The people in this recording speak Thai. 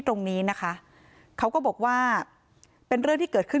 ตรงนี้นะคะเขาก็บอกว่าเป็นเรื่องที่เกิดขึ้น